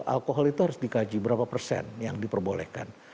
alkohol itu harus dikaji berapa persen yang diperbolehkan